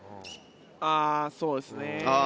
ああ、そうですね。